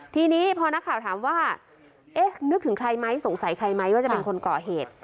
ทีนี้พอนักข่าวถามว่าเอ๊ะนึกถึงใครไหมสงสัยใครไหมว่าจะเป็นคนก่อเหตุ